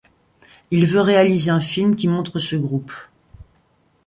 Il veut réaliser un film qui montre de ce groupe.